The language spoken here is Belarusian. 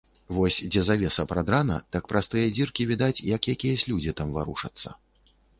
Вось дзе завеса прадрана, так праз тыя дзіркі відаць, як якіясь людзі там варушацца.